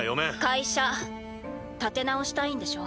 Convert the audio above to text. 会社立て直したいんでしょ？